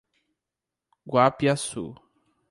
Guapiaçu